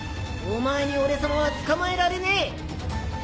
お前に俺さまは捕まえられねえ！